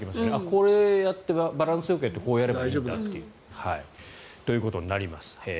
これ、やってバランスよくやってこれやればいいんだっていうということになります。